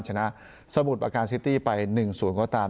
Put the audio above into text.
ชนะสมุทรประการซิตี้ไป๑๐ก็ตาม